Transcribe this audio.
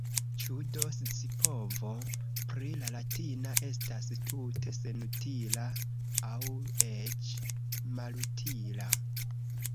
Ĉu do scipovo pri la latina estas tute senutila – aŭ eĉ malutila?